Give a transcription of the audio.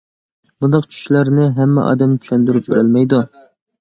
بۇنداق چۈشلەرنى ھەممە ئادەم چۈشەندۈرۈپ بېرەلمەيدۇ.